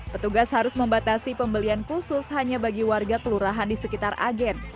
petugas harus membatasi pembelian khusus hanya bagi warga kelurahan di sekitar agen